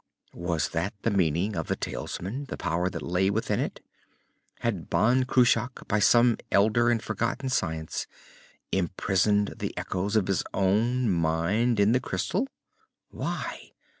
Was that the meaning of the talisman, the power that lay within it? Had Ban Cruach, by some elder and forgotten science, imprisoned the echoes of his own mind in the crystal? Why?